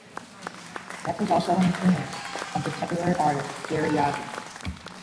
Beck was also an influence on contemporary artist Gary Yazzie.